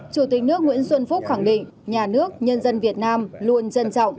chủ tịch nước nguyễn xuân phúc khẳng định nhà nước nhân dân việt nam luôn trân trọng